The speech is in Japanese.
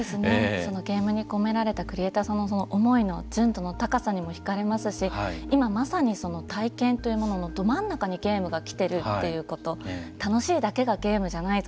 そのゲームに込められたクリエーターさんの思いの純度の高さにもひかれますし、今まさにその体験というもののど真ん中にゲームが来てるということ楽しいだけがゲームじゃないぞ。